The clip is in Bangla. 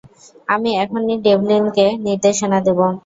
আমি এখনই ডেভলিনকে নির্দেশনা দেব।